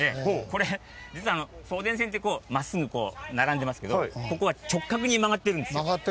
これ実は送電線ってこう真っすぐ並んでますけどここは直角に曲がってるんですよ。